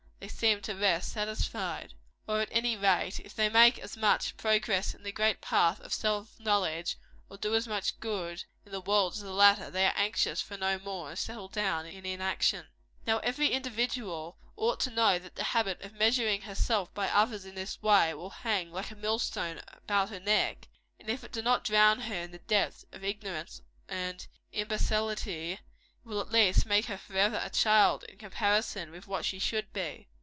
they seem to rest satisfied. Or at any rate, if, they make as much progress in the great path of self knowledge, or do as much good in the world as the latter, they are anxious for no more, and settle down in inaction. Now every such individual ought to know that the habit of measuring herself by others, in this way, will hang like a millstone about her neck; and if it do not drown her in the depths of ignorance and imbecility, will at least make her forever a child, in comparison with what she should be.